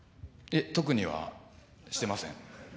特にはしていません。